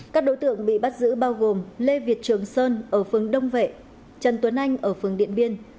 các đối tượng bị bắt giữ bao gồm lê việt trường sơn ở phương đông vệ trần tuấn anh ở phường điện biên